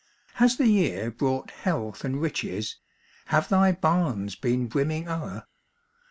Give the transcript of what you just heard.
Has the year brought health and riches? Have thy barns been brimming o'er?